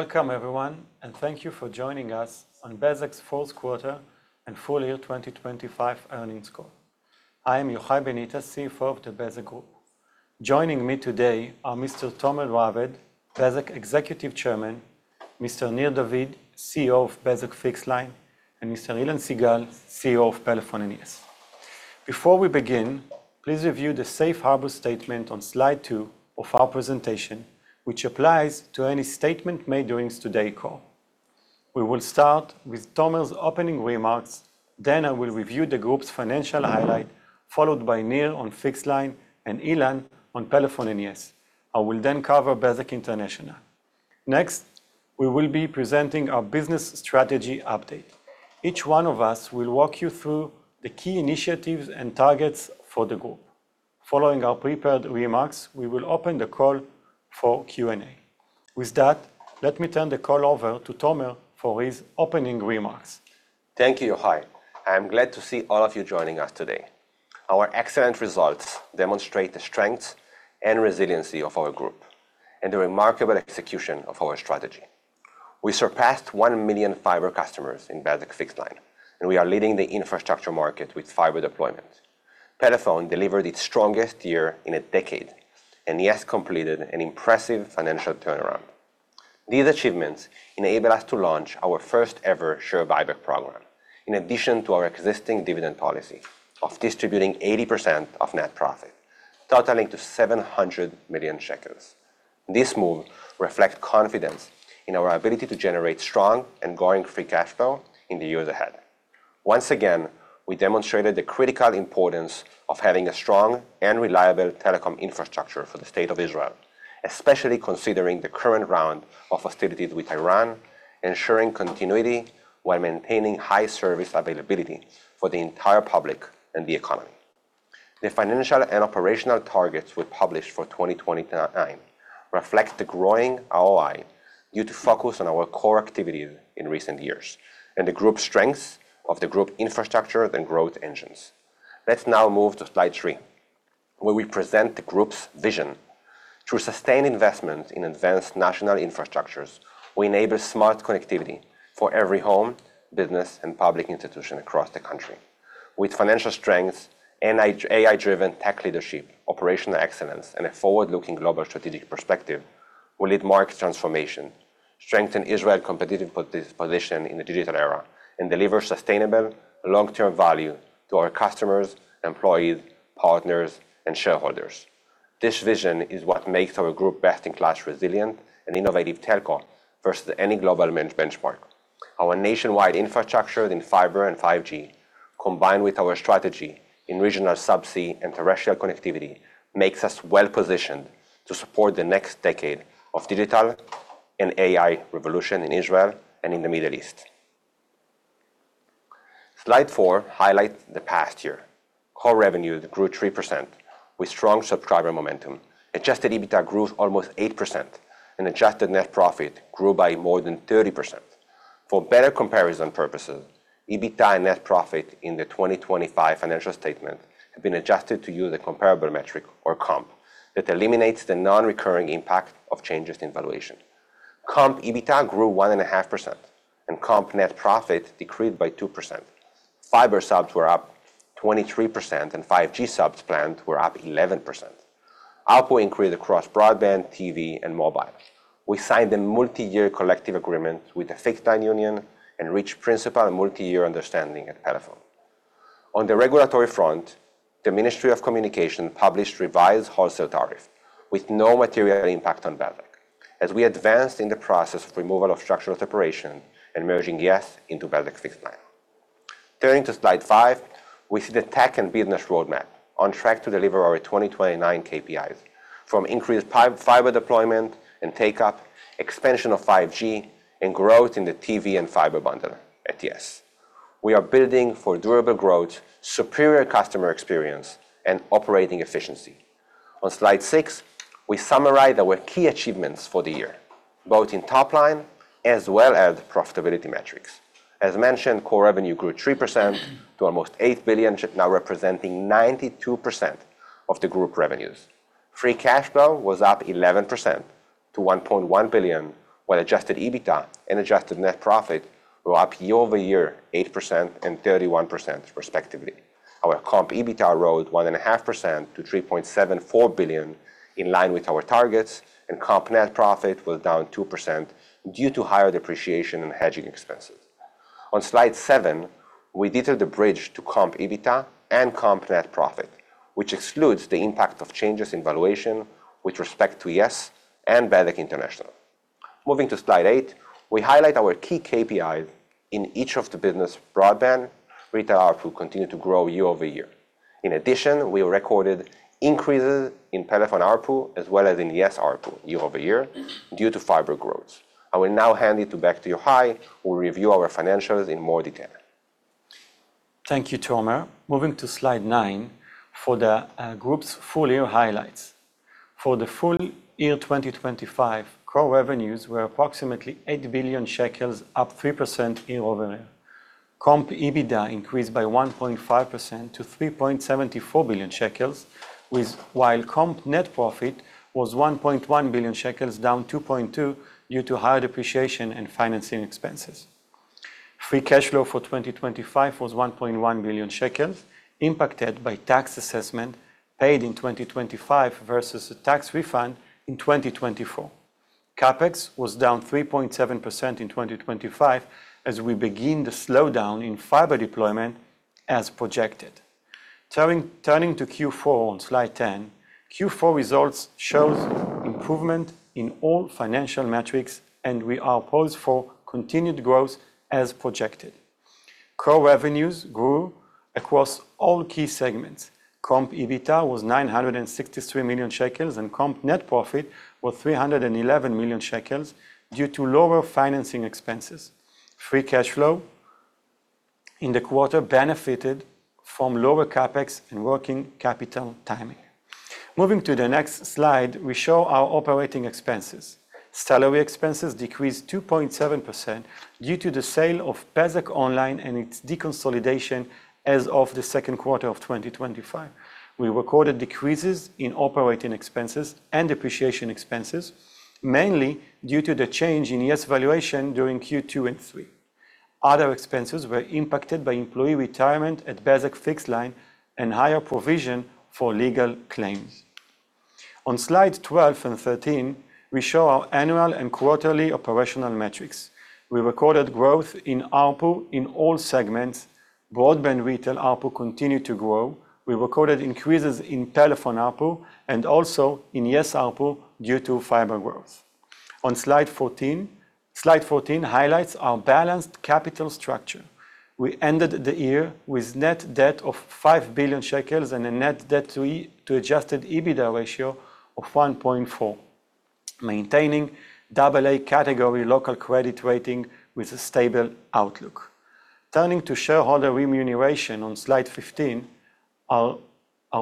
Welcome everyone, thank you for joining us on Bezeq's fourth quarter and full year 2025 earnings call. I am Yohai Benita, CFO of the Bezeq Group. Joining me today are Mr. Tomer Raved, Bezeq Executive Chairman, Mr. Nir David, CEO of Bezeq Fixed-Line, and Mr. Ilan Sigal, CEO of Pelephone and yes. Before we begin, please review the safe harbor statement on slide two of our presentation, which applies to any statement made during today's call. We will start with Tomer's opening remarks, then I will review the Group's financial highlight, followed by Nir on Fixed-Line and Ilan on Pelephone and yes. I will then cover Bezeq International. Next, we will be presenting our business strategy update. Each one of us will walk you through the key initiatives and targets for the Group. Following our prepared remarks, we will open the call for Q&A. With that, let me turn the call over to Tomer for his opening remarks. Thank you, Yohai. I am glad to see all of you joining us today. Our excellent results demonstrate the strength and resiliency of our Group and the remarkable execution of our strategy. We surpassed 1 million fiber customers in Bezeq Fixed-Line, and we are leading the infrastructure market with fiber deployment. Pelephone delivered its strongest year in a decade, and yes completed an impressive financial turnaround. These achievements enable us to launch our first-ever share buyback program. In addition to our existing dividend policy of distributing 80% of net profit, totaling to 700 million shekels. This move reflects confidence in our ability to generate strong and growing free cash flow in the years ahead. Once again, we demonstrated the critical importance of having a strong and reliable telecom infrastructure for the State of Israel, especially considering the current round of hostilities with Iran, ensuring continuity while maintaining high service availability for the entire public and the economy. The financial and operational targets we published for 2029 reflect the growing ROI due to focus on our core activities in recent years and the Group's strength of infrastructure, then growth engines. Let's now move to slide three, where we present the Group's vision. Through sustained investment in advanced national infrastructures, we enable smart connectivity for every home, business, and public institution across the country. With financial strength and AI-driven tech leadership, operational excellence, and a forward-looking global strategic perspective, we'll lead market transformation, strengthen Israel competitive position in the digital era, and deliver sustainable long-term value to our customers, employees, partners, and shareholders. This vision is what makes our Group best-in-class, resilient, and innovative telco versus any global benchmark. Our nationwide infrastructure in fiber and 5G, combined with our strategy in regional subsea and terrestrial connectivity, makes us well-positioned to support the next decade of digital and AI revolution in Israel and in the Middle East. Slide four highlights the past year. Core revenues grew 3%, with strong subscriber momentum. Adjusted EBITDA grew almost 8%, adjusted net profit grew by more than 30%. For better comparison purposes, and adjusted net profit in the 2025 financial statement have been adjusted to use a comparable metric or comp that eliminates the non-recurring impact of changes in valuation. Comp EBITDA grew 1.5%, comp net profit decreased by 2%. Fiber subs were up 23%, and 5G subs planned were up 11%. ARPU increased across broadband, TV, and mobile. We signed a multi-year collective agreement with the Fixed-Line Union and reached principal and multi-year understanding at Pelephone. On the regulatory front, the Ministry of Communications published revised wholesale tariff with no material impact on Bezeq as we advanced in the process of removal of structural separation and merging yes into Bezeq Fixed-Line. Turning to slide five, we see the tech and business roadmap on track to deliver our 2029 KPIs from increased fiber deployment and take up, expansion of 5G, and growth in the TV and fiber bundle at yes. We are building for durable growth, superior customer experience, and operating efficiency. On slide six, we summarize our key achievements for the year, both in top line as well as profitability metrics. As mentioned, core revenue grew 3% to almost 8 billion, now representing 92% of the Group revenues. Free cash flow was up 11% to 1.1 billion, while Adjusted EBITDA adjusted net profit were up year-over-year, 8% and 31% respectively. Our comp EBITDA rose 1.5% to 3.74 billion, in line with our adjusted net profit was down 2% due to higher depreciation and hedging expenses. On slide seven, we detailed the bridge to comp EBITDA and comp net profit, which excludes the impact of changes in valuation with respect to yes and Bezeq International. Moving to slide eight, we highlight our key KPIs in each of the business broadband retail ARPU continued to grow year-over-year. We recorded increases in Pelephone ARPU as well as in yes ARPU year-over-year due to fiber growth. I will now hand it back to Yohai, who will review our financials in more detail. Thank you, Tomer. Moving to slide nine for the Group's full year highlights. For the full year 2025, core revenues were approximately 8 billion shekels, up 3% year-over-year. comp EBITDA increased by 1.5% to 3.74 billion shekels, while comp net profit was 1.1 billion shekels, down 2.2%, due to higher depreciation and financing expenses. Free cash flow for 2025 was 1.1 billion shekels, impacted by tax assessment paid in 2025 versus a tax refund in 2024. CapEx was down 3.7% in 2025 as we begin the slowdown in fiber deployment as projected. Turning to Q4 on slide 10, Q4 results shows improvement in all financial metrics, and we are poised for continued growth as projected. Core revenues grew across all key segments. Comp EBITDA was 963 million shekels, and comp net profit was 311 million shekels due to lower financing expenses. Free cash flow in the quarter benefited from lower CapEx and working capital timing. Moving to the next slide, we show our operating expenses. Salary expenses decreased 2.7% due to the sale of Bezeq Online and its deconsolidation as of Q2 2025. We recorded decreases in operating expenses and depreciation expenses, mainly due to the change in yes valuation during Q2 and Q3. Other expenses were impacted by employee retirement at Bezeq Fixed-Line and higher provision for legal claims. On slide 12 and 13, we show our annual and quarterly operational metrics. We recorded growth in ARPU in all segments. Broadband retail ARPU continued to grow. We recorded increases in Pelephone ARPU and also in yes ARPU due to fiber growth. On slide 14, slide 14 highlights our balanced capital structure. We ended the year with net debt of 5 billion shekels and a net debt to Adjusted EBITDA ratio of 1.4, maintaining AA category local credit rating with a stable outlook. Turning to shareholder remuneration on slide 15, our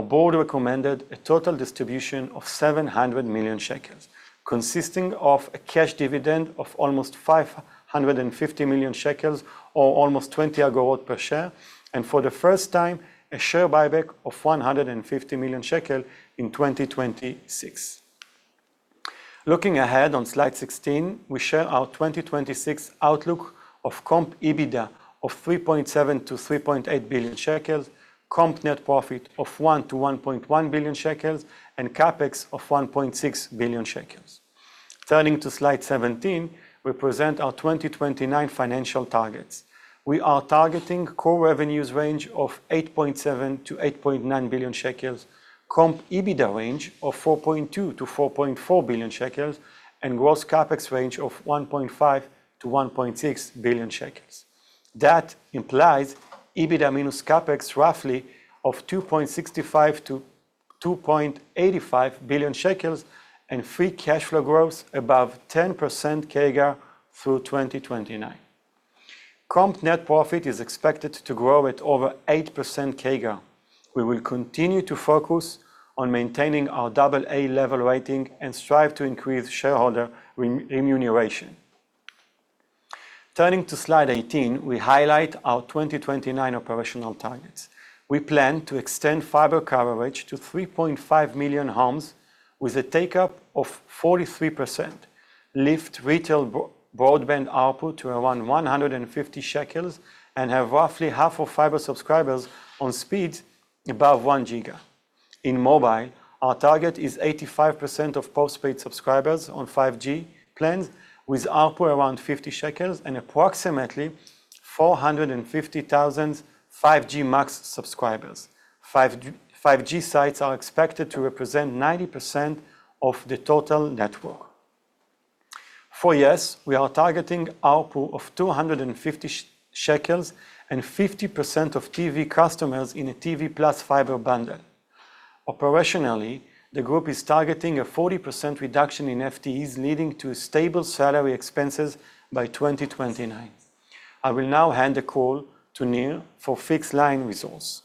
Board recommended a total distribution of 700 million shekels, consisting of a cash dividend of almost 550 million shekels, or almost 20 agorot per share, and for the first time, a share buyback of 150 million shekel in 2026. Looking ahead on slide 16, we share our 2026 outlook of comp EBITDA of 3.7 billion-3.8 billion shekels, comp net profit of 1 billion-1.1 billion shekels, and CapEx of 1.6 billion shekels. Turning to slide 17, we present our 2029 financial targets. We are targeting core revenues range of 8.7 billion-8.9 billion shekels, comp EBITDA range of 4.2 billion-4.4 billion shekels, and gross CapEx range of 1.5 billion-1.6 billion shekels. That implies EBITDA minus CapEx roughly of 2.65 billion-2.85 billion shekels and free cash flow growth above 10% CAGR through 2029. Comp net profit is expected to grow at over 8% CAGR. We will continue to focus on maintaining our AA level rating and strive to increase shareholder remuneration. Turning to slide 18, we highlight our 2029 operational targets. We plan to extend fiber coverage to 3.5 million homes with a take-up of 43%, lift retail broadband ARPU to around 150 shekels, and have roughly half of fiber subscribers on speeds above 1 giga. In mobile, our target is 85% of postpaid subscribers on 5G plans with ARPU around 50 shekels and approximately 450,000 5G MAX subscribers. 5G sites are expected to represent 90% of the total network. For yes, we are targeting ARPU of 250 shekels and 50% of TV customers in a TV + fiber bundle. Operationally, the Group is targeting a 40% reduction in FTEs, leading to stable salary expenses by 2029. I will now hand the call to Nir for Fixed-Line results.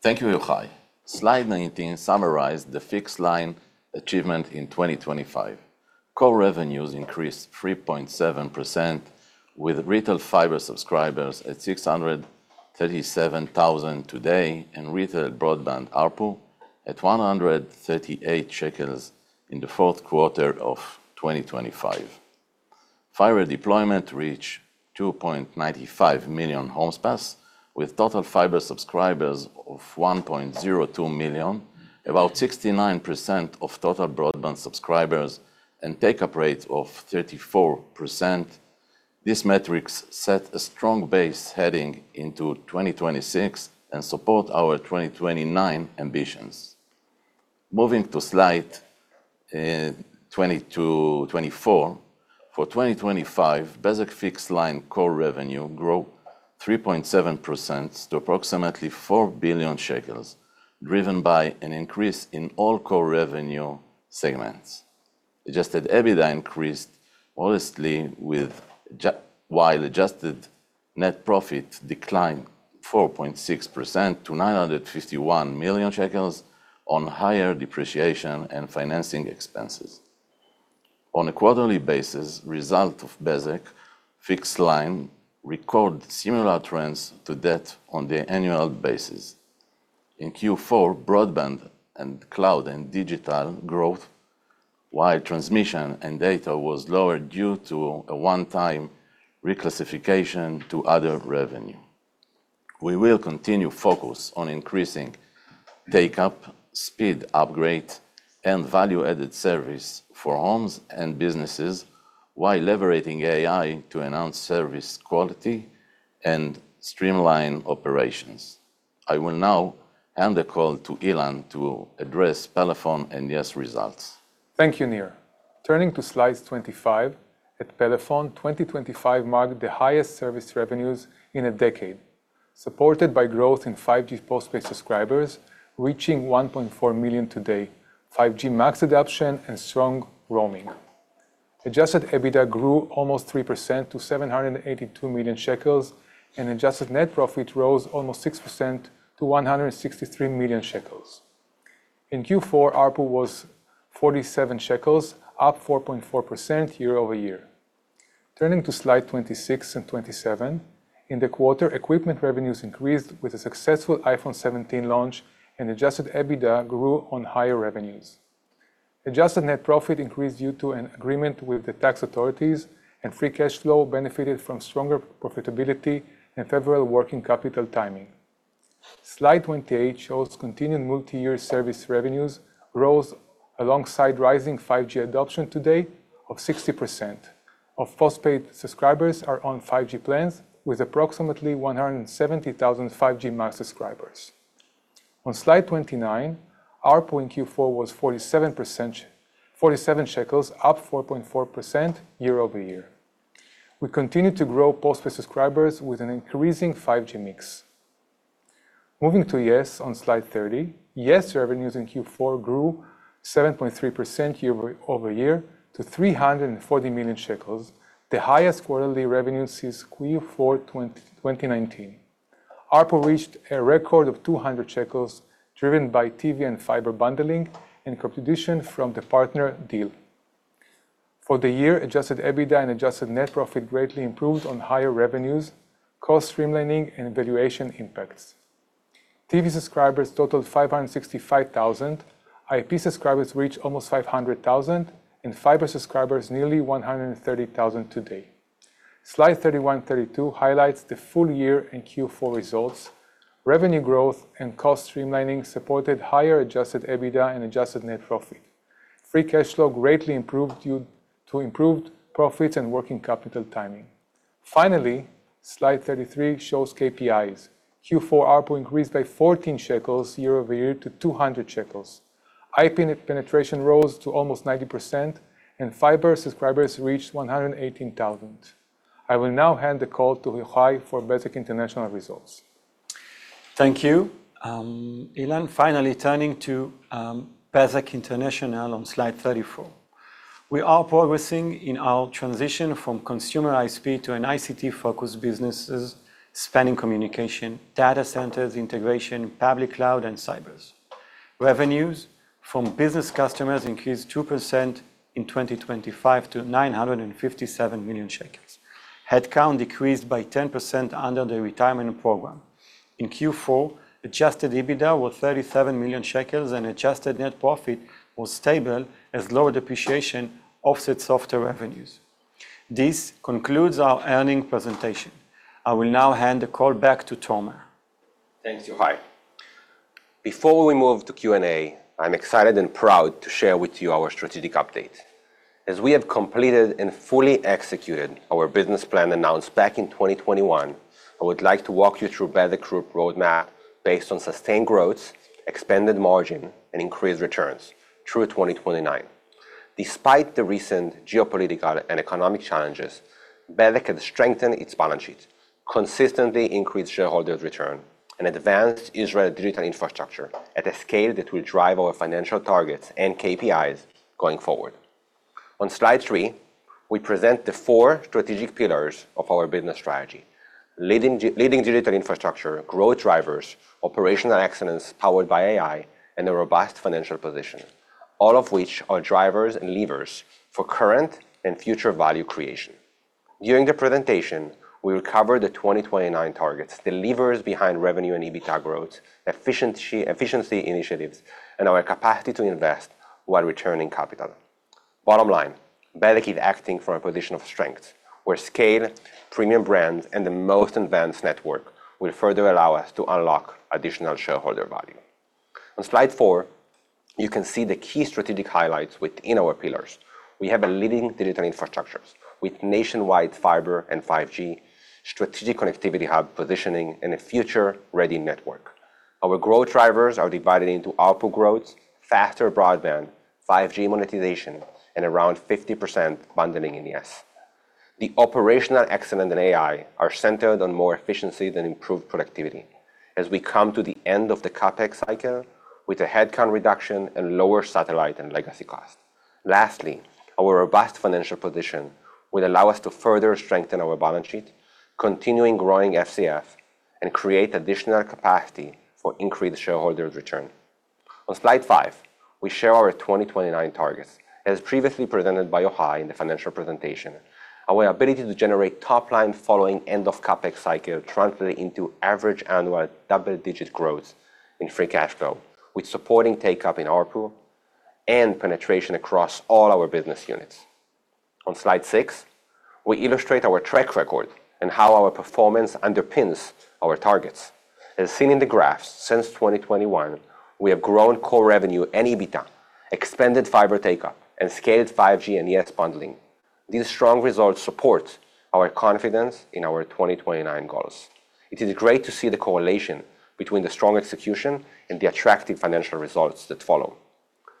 Thank you, Yohai. Slide 19 summarize the Fixed-Line achievement in 2025. Core revenues increased 3.7%, with retail fiber subscribers at 637,000 today and retail broadband ARPU at 138 shekels in the Q4 of 2025. Fiber deployment reach 2.95 million homes passed, with total fiber subscribers of 1.02 million, about 69% of total broadband subscribers, and take-up rate of 34%. These metrics set a strong base heading into 2026 and support our 2029 ambitions. Moving to slide 20, 24. For 2025, Bezeq Fixed-Line core revenue grow 3.7% to approximately 4 billion shekels, driven by an increase in all core revenue segments. Adjusted EBITDA increased modestly adjusted net profit declined 4.6% to 951 million shekels on higher depreciation and financing expenses. On a quarterly basis, result of Bezeq Fixed-Line record similar trends to that on the annual basis. In Q4, broadband and cloud and digital growth, while transmission and data was lower due to a one-time reclassification to other revenue. We will continue focus on increasing take-up, speed, upgrade, and value-added service for homes and businesses, while leveraging AI to enhance service quality and streamline operations. I will now hand the call to Ilan to address Pelephone and yes results. Thank you, Nir. Turning to slide 25, at Pelephone, 2025 marked the highest service revenues in a decade, supported by growth in 5G postpaid subscribers, reaching 1.4 million today, 5G MAX adoption and strong roaming. Adjusted EBITDA grew almost 3% to 782 million shekels, adjusted net profit rose almost 6% to 163 million shekels. In Q4, ARPU was 47 shekels, up 4.4% year-over-year. Turning to slide 26 and 27, in the quarter, equipment revenues increased with a successful iPhone 17 launch and Adjusted EBITDA grew on higher adjusted net profit increased due to an agreement with the tax authorities, and free cash flow benefited from stronger profitability and favorable working capital timing. Slide 28 shows continued multi-year service revenues rose alongside rising 5G adoption today of 60%. Of postpaid subscribers are on 5G plans with approximately 170,000 5G MAX subscribers. On slide 29, ARPU in Q4 was 47 ILS, up 4.4% year-over-year. We continued to grow postpaid subscribers with an increasing 5G mix. Moving to yes on slide 30, yes revenues in Q4 grew 7.3% year-over-year to 340 million shekels, the highest quarterly revenue since Q4 2019. ARPU reached a record of 200 shekels, driven by TV and fiber bundling and contribution from the partner deal. For the year, Adjusted EBITDA adjusted net profit greatly improved on higher revenues, cost streamlining, and valuation impacts. TV subscribers totaled 565,000, IP subscribers reached almost 500,000, and fiber subscribers nearly 130,000 today. Slide 31, 32 highlights the full year in Q4 results. Revenue growth and cost streamlining supported higher Adjusted EBITDA adjusted net profit. Free cash flow greatly improved due to improved profits and working capital timing. Finally, slide 33 shows KPIs. Q4 ARPU increased by 14 shekels year-over-year to 200 shekels. IP penetration rose to almost 90% and fiber subscribers reached 118,000. I will now hand the call to Yohai for Bezeq International results. Thank you, Ilan. Finally turning to Bezeq International on slide 34. We are progressing in our transition from consumer ISP to an ICT-focused businesses spanning communication, data centers, integration, public cloud, and cybers. Revenues from business customers increased 2% in 2025 to 957 million shekels. Headcount decreased by 10% under the retirement program. In Q4, Adjusted EBITDA was 37 million shekels, adjusted net profit was stable as lower depreciation offset softer revenues. This concludes our earnings presentation. I will now hand the call back to Tomer. Thank you, Yohai. Before we move to Q&A, I'm excited and proud to share with you our strategic update. As we have completed and fully executed our business plan announced back in 2021, I would like to walk you through Bezeq Group roadmap based on sustained growth, expanded margin, and increased returns through 2029. Despite the recent geopolitical and economic challenges, Bezeq has strengthened its balance sheet, consistently increased shareholders' return, and advanced Israel digital infrastructure at a scale that will drive our financial targets and KPIs going forward. On slide three, we present the four strategic pillars of our business strategy: leading digital infrastructure, growth drivers, operational excellence powered by AI, and a robust financial position, all of which are drivers and levers for current and future value creation. During the presentation, we will cover the 2029 targets, the levers behind revenue and EBITDA growth, efficiency initiatives, and our capacity to invest while returning capital. Bottom line, Bezeq keep acting from a position of strength where scale, premium brands, and the most advanced network will further allow us to unlock additional shareholder value. On slide four, you can see the key strategic highlights within our pillars. We have a leading digital infrastructures with nationwide fiber and 5G, strategic connectivity hub positioning, and a future-ready network. Our growth drivers are divided into ARPU growth, faster broadband, 5G monetization, and around 50% bundling in yes. The operational excellence in AI are centered on more efficiency than improved productivity as we come to the end of the CapEx cycle with a headcount reduction and lower satellite and legacy cost. Lastly, our robust financial position will allow us to further strengthen our balance sheet, continuing growing FCF and create additional capacity for increased shareholders' return. On slide five, we share our 2029 targets. As previously presented by Yohai in the financial presentation, our ability to generate top line following end of CapEx cycle translate into average annual double-digit growth in free cash flow, with supporting take-up in ARPU and penetration across all our business units. On slide six, we illustrate our track record and how our performance underpins our targets. As seen in the graphs, since 2021, we have grown core revenue and EBITDA, expanded fiber take-up and scaled 5G and yes bundling. These strong results support our confidence in our 2029 goals. It is great to see the correlation between the strong execution and the attractive financial results that follow.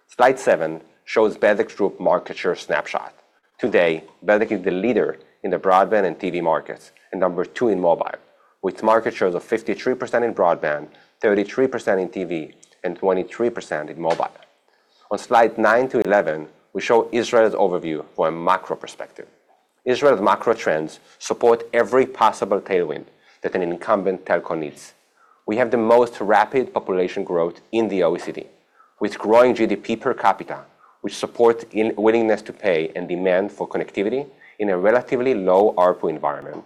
Slide seven shows Bezeq Group market share snapshot. Today, Bezeq is the leader in the broadband and TV markets, and number two in mobile, with market shares of 53% in broadband, 33% in TV and 23% in mobile. On slide nine to 11, we show Israel's overview from a macro perspective. Israel's macro trends support every possible tailwind that an incumbent telco needs. We have the most rapid population growth in the OECD, with growing GDP per capita, which supports in- willingness to pay and demand for connectivity in a relatively low ARPU environment.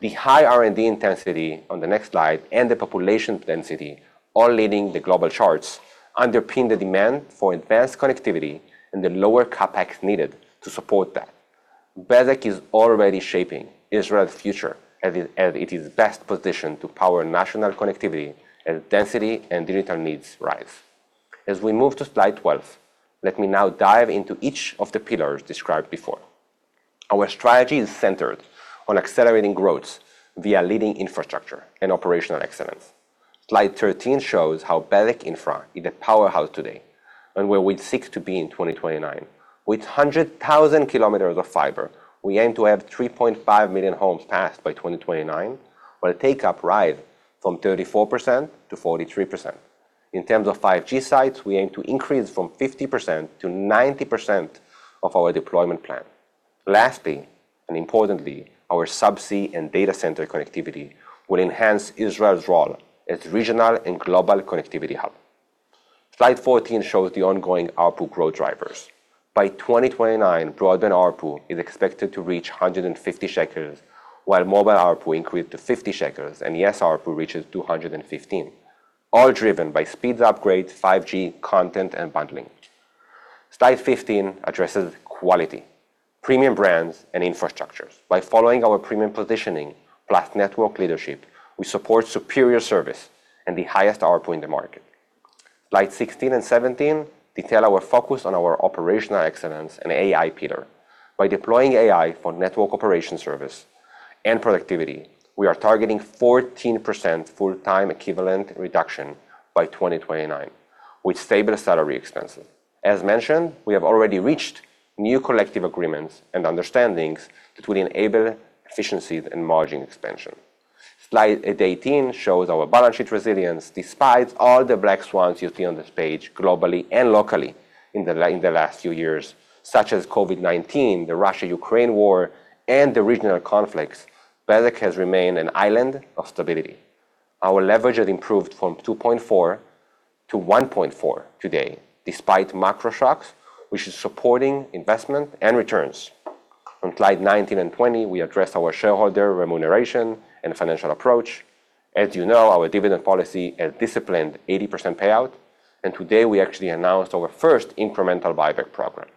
The high R&D intensity on the next slide and the population density, all leading the global charts, underpin the demand for advanced connectivity and the lower CapEx needed to support that. Bezeq is already shaping Israel's future as it is best positioned to power national connectivity as density and digital needs rise. We move to slide 12, let me now dive into each of the pillars described before. Our strategy is centered on accelerating growth via leading infrastructure and operational excellence. Slide 13 shows how Bezeq Infra is a powerhouse today, and where we seek to be in 2029. With 100,000 km of fiber, we aim to have 3.5 million homes passed by 2029, with take-up rise from 34% to 43%. In terms of 5G sites, we aim to increase from 50% to 90% of our deployment plan. Lastly and importantly, our subsea and data center connectivity will enhance Israel's role as regional and global connectivity hub. Slide 14 shows the ongoing ARPU growth drivers. By 2029, broadband ARPU is expected to reach 150 shekels, while mobile ARPU increase to 50 shekels and yes ARPU reaches 215, all driven by speeds upgrades, 5G, content and bundling. Slide 15 addresses quality, premium brands and infrastructures. By following our premium positioning plus network leadership, we support superior service and the highest ARPU in the market. Slide 16 and 17 detail our focus on our operational excellence and AI pillar. By deploying AI for network operation service and productivity, we are targeting 14% full-time equivalent reduction by 2029, with stable salary expenses. As mentioned, we have already reached new collective agreements and understandings that will enable efficiencies and margin expansion. Slide 18 shows our balance sheet resilience despite all the black swans you see on this page globally and locally in the last few years, such as COVID-19, the Russia-Ukraine War, and the regional conflicts, Bezeq has remained an island of stability. Our leverage has improved from 2.4-1.4 today, despite macro shocks, which is supporting investment and returns. On slide 19 and 20, we address our shareholder remuneration and financial approach. As you know, our dividend policy is disciplined 80% payout. Today we actually announced our first incremental buyback program.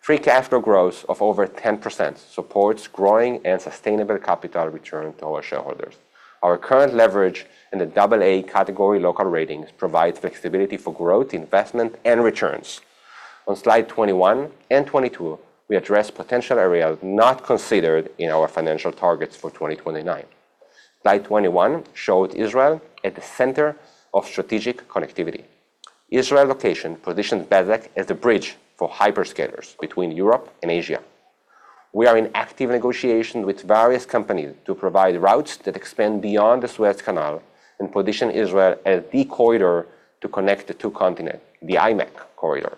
Free cash flow growth of over 10% supports growing and sustainable capital return to our shareholders. Our current leverage in the AA category local ratings provides flexibility for growth, investment and returns. On slide 21 and 22, we address potential areas not considered in our financial targets for 2029. Slide 21 showed Israel at the center of strategic connectivity. Israel location positions Bezeq as the bridge for hyperscalers between Europe and Asia. We are in active negotiation with various companies to provide routes that expand beyond the Suez Canal and position Israel as the corridor to connect the two continent, the IMEC corridor.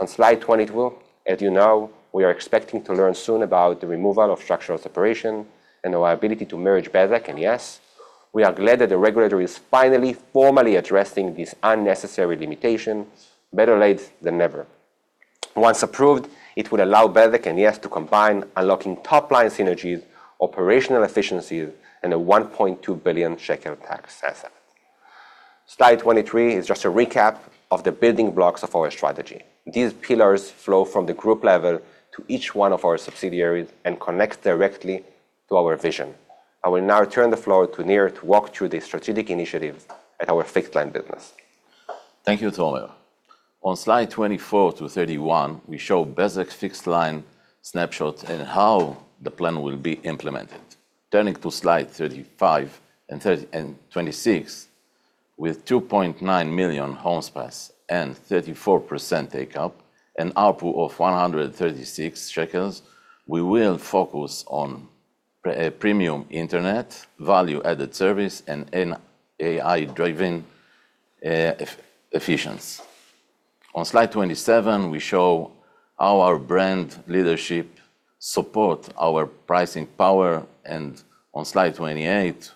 On slide 22, as you know, we are expecting to learn soon about the removal of structural separation and our ability to merge Bezeq and yes. We are glad that the regulator is finally formally addressing this unnecessary limitation. Better late than never. Once approved, it will allow Bezeq and yes to combine, unlocking top-line synergies, operational efficiencies and an 1.2 billion shekel tax asset. Slide 23 is just a recap of the building blocks of our strategy. These pillars flow from the Group level to each one of our subsidiaries and connect directly to our vision. I will now turn the floor to Nir to walk through the strategic initiatives at our Fixed-Line business. Thank you, Tomer. On slide 24 to 31, we show Bezeq's Fixed-Line snapshot and how the plan will be implemented. Turning to slide 35 and 26, with 2.9 million homes passed and 34% take-up, an ARPU of 136 shekels, we will focus on pre-premium internet, value-added service and AI-driven efficiency. On slide 27, we show how our brand leadership support our pricing power. On slide 28,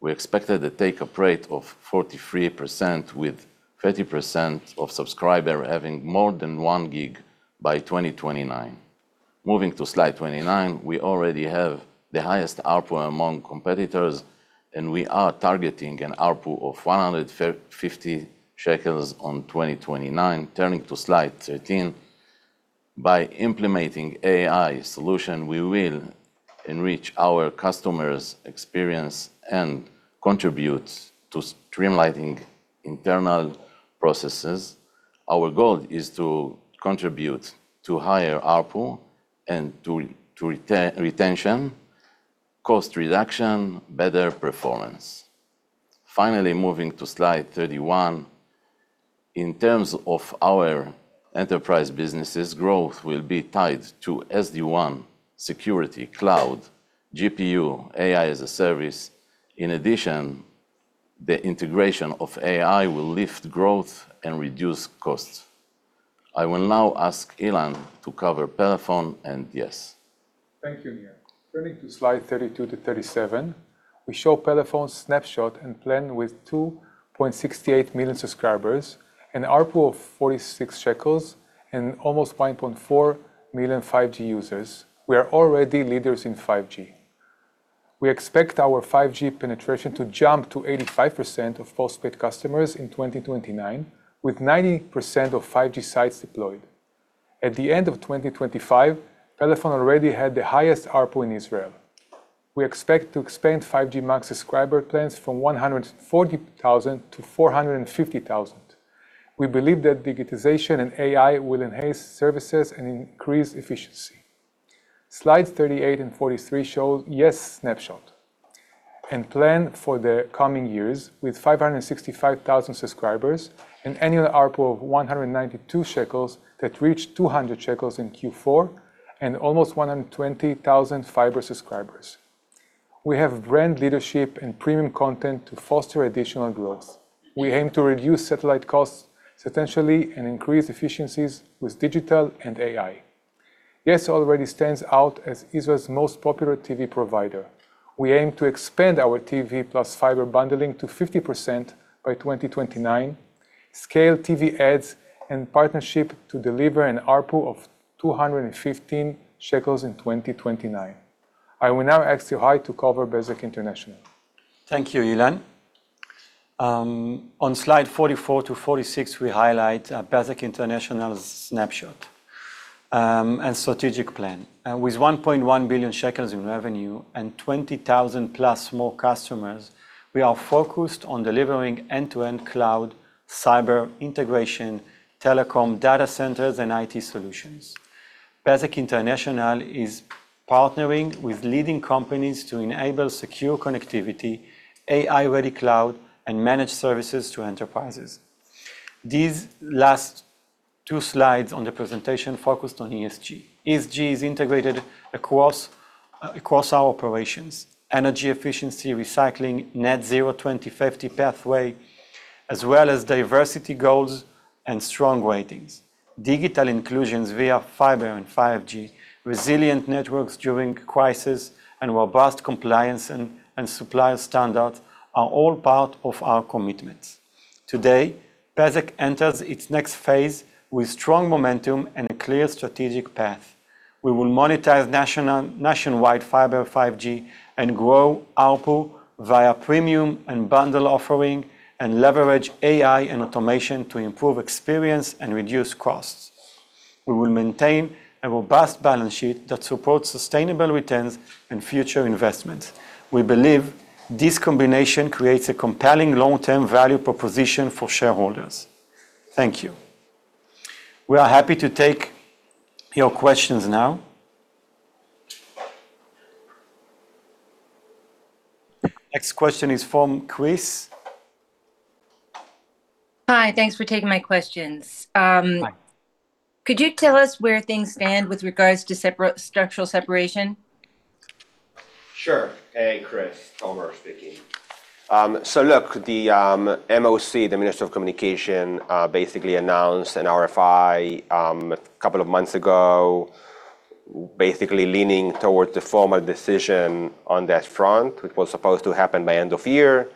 we expected a take-up rate of 43% with 30% of subscriber having more than 1 gig by 2029. Moving to slide 29, we already have the highest ARPU among competitors, and we are targeting an ARPU of 150 shekels on 2029. Turning to slide 13. By implementing AI solution, we will enrich our customer's experience and contribute to streamlining internal processes. Our goal is to contribute to higher ARPU and to retention, cost reduction, better performance. Finally, moving to slide 31. In terms of our enterprise businesses, growth will be tied to SD-WAN security cloud, GPU, AI-as-a-Service. In addition, the integration of AI will lift growth and reduce costs. I will now ask Ilan to cover Pelephone and yes. Thank you, Nir. Turning to slide 32-37, we show Pelephone's snapshot and plan with 2.68 million subscribers, an ARPU of 46 shekels, and almost 1.4 million 5G users. We are already leaders in 5G. We expect our 5G penetration to jump to 85% of postpaid customers in 2029, with 90% of 5G sites deployed. At the end of 2025, Pelephone already had the highest ARPU in Israel. We expect to expand 5G MAX subscriber plans from 140,000 to 450,000. We believe that digitization and AI will enhance services and increase efficiency. Slides 38 and 43 show yes snapshot and plan for the coming years with 565,000 subscribers, an annual ARPU of 192 shekels that reached 200 shekels in Q4, and almost [120,000] fiber subscribers. We have brand leadership and premium content to foster additional growth. We aim to reduce satellite costs substantially and increase efficiencies with digital and AI. yes already stands out as Israel's most popular TV provider. We aim to expand our TV + fiber bundling to 50% by 2029, scale TV ads and partnership to deliver an ARPU of 215 shekels in 2029. I will now ask Yohai to cover Bezeq International. Thank you, Ilan. On slide 44-46, we highlight Bezeq International's snapshot and strategic plan. With 1.1 billion shekels in revenue and 20,000+ customers, we are focused on delivering end-to-end cloud, cyber integration, telecom data centers, and IT solutions. Bezeq International is partnering with leading companies to enable secure connectivity, AI-ready cloud, and managed services to enterprises. These last two slides on the presentation focused on ESG. ESG is integrated across our operations. Energy efficiency, recycling, net zero 2050 pathway, as well as diversity goals and strong ratings. Digital inclusions via fiber and 5G, resilient networks during crisis, and robust compliance and supplier standards are all part of our commitments. Today, Bezeq enters its next phase with strong momentum and a clear strategic path. We will monetize nationwide fiber 5G and grow ARPU via premium and bundle offering, and leverage AI and automation to improve experience and reduce costs. We will maintain a robust balance sheet that supports sustainable returns and future investments. We believe this combination creates a compelling long-term value proposition for shareholders. Thank you. We are happy to take your questions now. Next question is from Chris. Hi. Thanks for taking my questions. Hi. Could you tell us where things stand with regards to structural separation? Sure. Hey, Chris, Tomer speaking. Look, the MOC, the Minister of Communications, basically announced an RFI, couple months ago, basically leaning towards the formal decision on that front, which was supposed to happen by end of year.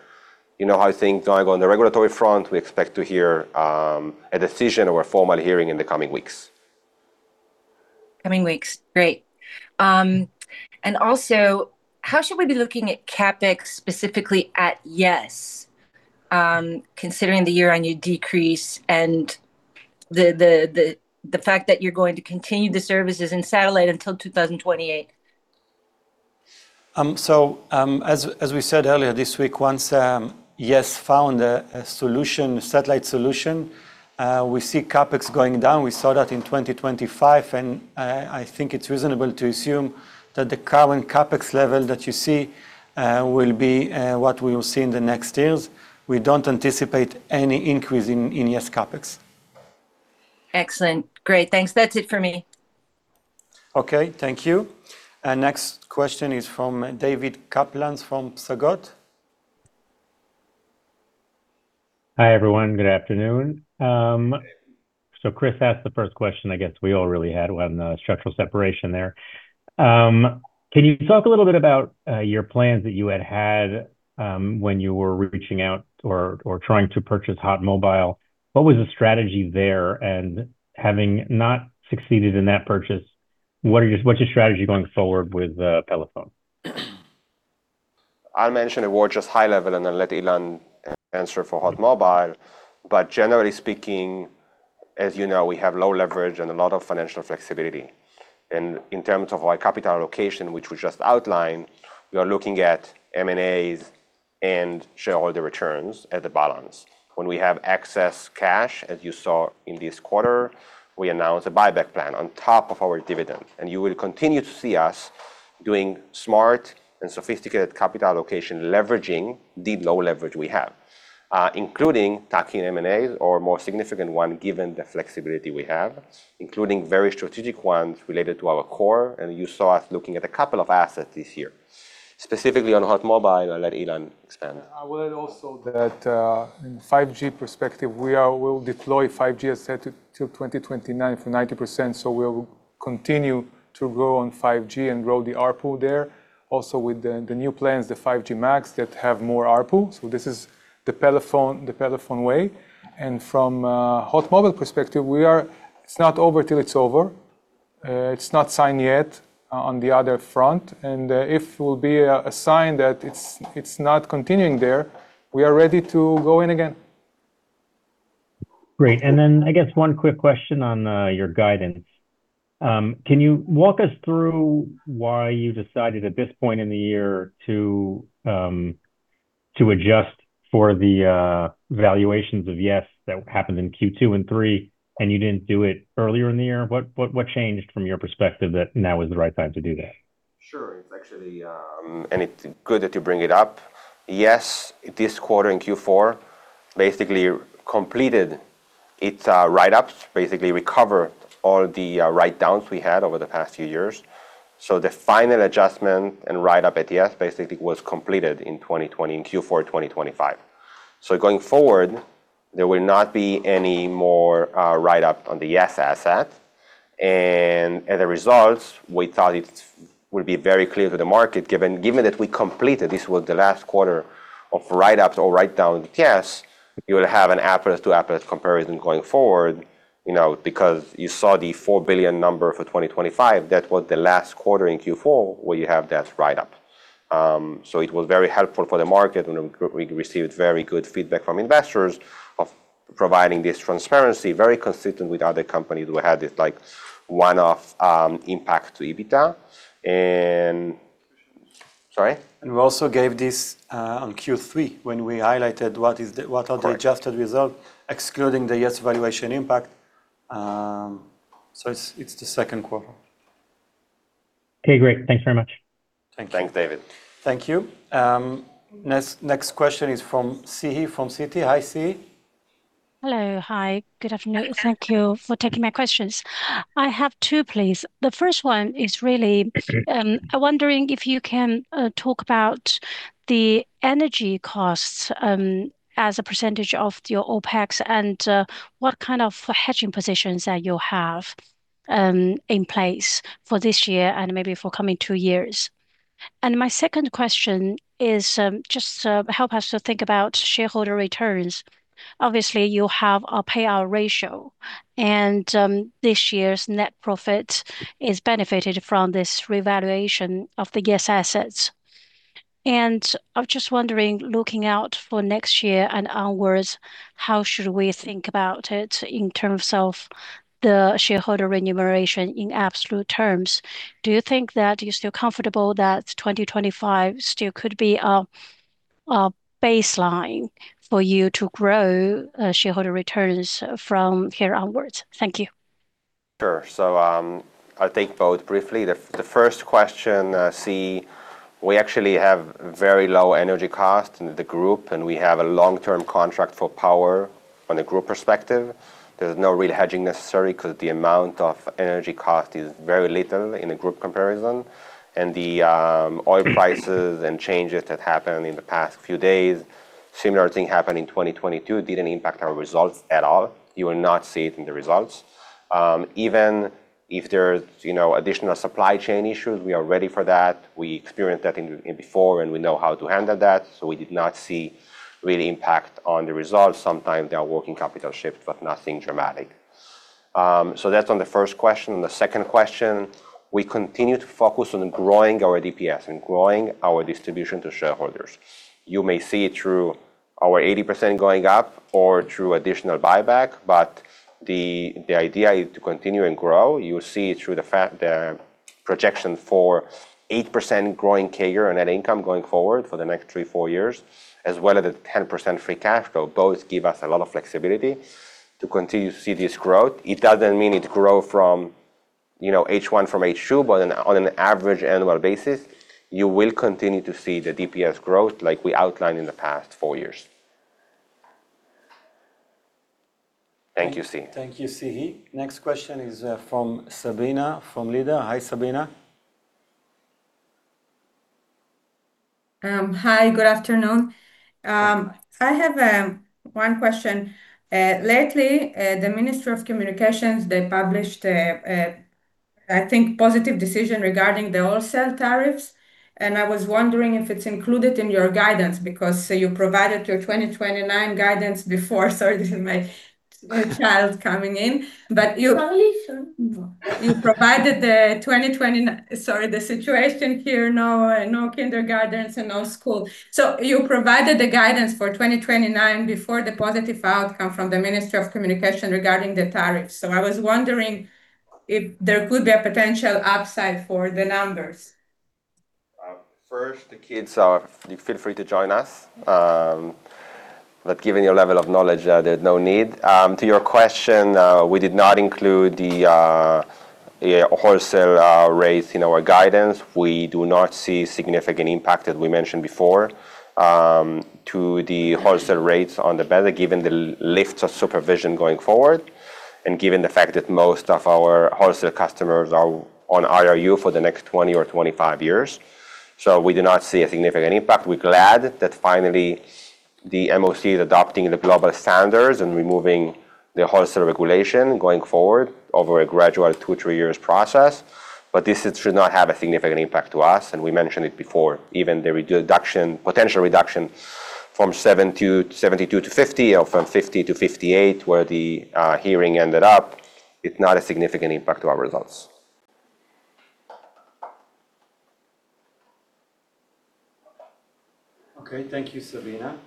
You know how things are going on the regulatory front. We expect to hear a decision or a formal hearing in the coming weeks. Coming weeks. Great. Also, how should we be looking at CapEx, specifically at yes, considering the year-on-year decrease and the fact that you're going to continue the services in satellite until 2028? As we said earlier this week, once yes found a solution, satellite solution, we see CapEx going down. We saw that in 2025, and I think it's reasonable to assume that the current CapEx level that you see will be what we will see in the next years. We don't anticipate any increase in yes CapEx. Excellent. Great. Thanks. That's it for me. Okay, thank you. Our next question is from David Kaplan from Psagot. Hi, everyone. Good afternoon. Chris asked the first question I guess we all really had on the structural separation there. Can you talk a little bit about your plans that you had had when you were reaching out or trying to purchase HOT Mobile? What was the strategy there? Having not succeeded in that purchase, what's your strategy going forward with Pelephone? I'll mention the word just high level and then let Ilan answer for HOT Mobile. Generally speaking, as you know, we have low leverage and a lot of financial flexibility. In terms of our capital allocation, which we just outlined, we are looking at M&As and shareholder returns as a balance. When we have excess cash, as you saw in this quarter, we announce a buyback plan on top of our dividend. You will continue to see us doing smart and sophisticated capital allocation, leveraging the low leverage we have, including tacking M&A or more significant one given the flexibility we have, including very strategic ones related to our core. You saw us looking at a couple of assets this year. Specifically on HOT Mobile, I'll let Ilan expand. I will add also that, in 5G perspective, we'll deploy 5G asset till 2029 for 90%. We'll continue to grow on 5G and grow the ARPU there. Also with the new plans, the 5G MAX that have more ARPU. This is the Pelephone way. From HOT Mobile perspective, it's not over till it's over. It's not signed yet on the other front. If we'll be assigned that, it's not continuing there, we are ready to go in again. Great. I guess one quick question on your guidance. Can you walk us through why you decided at this point in the year to adjust for the valuations of yes that happened in Q2 and Q3, and you didn't do it earlier in the year. What changed from your perspective that now is the right time to do that? Sure. It's actually, it's good that you bring it up. yes, this quarter in Q4, basically completed its write-ups, basically recovered all the write-downs we had over the past few years. The final adjustment and write-up at yes basically was completed in Q4 2025. Going forward, there will not be any more write-up on the yes asset. As a result, we thought it would be very clear to the market, given that we completed this was the last quarter of write-ups or write-down with yes. You will have an apples to apples comparison going forward, you know, because you saw the 4 billion number for 2025, that was the last quarter in Q4 where you have that write-up. It was very helpful for the market, and we received very good feedback from investors of providing this transparency, very consistent with other companies who had this, like, one-off impact to EBITDA. Sorry. We also gave this on Q3 when we highlighted what is. Right. What are the adjusted results excluding the yes valuation impact? It's the second quarter. Okay, great. Thanks very much. Thank you. Thanks, David. Thank you. next question is from Siyi from Citi. Hi, Siyi. Hello. Hi. Good afternoon. Thank you for taking my questions. I have two, please. The first one is. Okay. I'm wondering if you can talk about the energy costs as a percentage of your OpEx and what kind of hedging positions that you have in place for this year and maybe for coming two years. My second question is just to help us to think about shareholder returns. Obviously, you have a payout ratio, and this year's net profit is benefited from this revaluation of the yes assets. I'm just wondering, looking out for next year and onwards, how should we think about it in terms of the shareholder remuneration in absolute terms? Do you think that you're still comfortable that 2025 still could be a baseline for you to grow shareholder returns from here onwards? Thank you. Sure. I'll take both briefly. The first question, Si, we actually have very low energy cost in the Group, and we have a long-term contract for power on a Group perspective. There's no real hedging necessary because the amount of energy cost is very little in a Group comparison. The oil prices and changes that happened in the past few days, similar thing happened in 2022, didn't impact our results at all. You will not see it in the results. Even if there's, you know, additional supply chain issues, we are ready for that. We experienced that before, and we know how to handle that. We did not see really impact on the results. Sometimes there are working capital shift, but nothing dramatic. That's on the first question. The second question, we continue to focus on growing our DPS and growing our distribution to shareholders. You may see it through our 80% going up or through additional buyback, but the idea is to continue and grow. You will see it through the projection for 8% growing CAGR and net income going forward for the next three, four years, as well as the 10% free cash flow both give us a lot of flexibility to continue to see this growth. It doesn't mean it grow from, you know, H1 from H2, but on an average annual basis, you will continue to see the DPS growth like we outlined in the past four years. Thank you, Si. Thank you, Siyi. Next question is from Sabina from Leader. Hi, Sabina. Hi, good afternoon. I have one question. Lately, the Minister of Communications, they published a, I think, positive decision regarding the wholesale tariffs. I was wondering if it's included in your guidance because you provided your 2029 guidance before. Sorry this is my child coming in. [inaudible] Sorry, the situation here, no kindergartens and no school. You provided the guidance for 2029 before the positive outcome from the Minister of Communications regarding the tariffs. I was wondering if there could be a potential upside for the numbers. First, the kids are, feel free to join us. Given your level of knowledge, there's no need. To your question, we did not include the wholesale rates in our guidance. We do not see significant impact, as we mentioned before, to the wholesale rates on the Bezeq, given the lift of supervision going forward and given the fact that most of our wholesale customers are on IRU for the next 20 or 25 years. We do not see a significant impact. We're glad that finally the MOC is adopting the global standards and removing the wholesale regulation going forward over a gradual two, three years process. This should not have a significant impact to us, and we mentioned it before. Even the reduction, potential reduction from 72 to 50 or from 50 to 58, where the hearing ended up, it's not a significant impact to our results. Okay. Thank you, Sabina.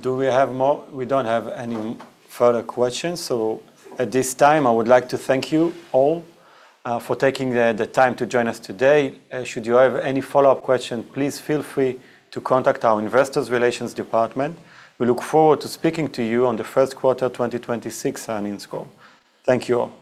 Do we have more? We don't have any further questions. At this time, I would like to thank you all for taking the time to join us today. Should you have any follow-up question, please feel free to contact our Investor Relations department. We look forward to speaking to you on the first quarter 2026 earnings call. Thank you all